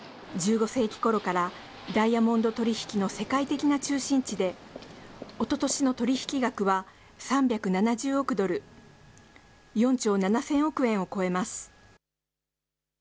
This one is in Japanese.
１５世紀ころからダイヤモンド取り引きの世界的な中心地で、おととしの取り引き額は３７０億ドル、４兆７０００億円を超えます。